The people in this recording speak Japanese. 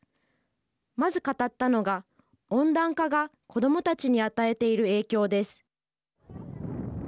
まず語ったのが、温暖化が子どもたちに与えている影響です。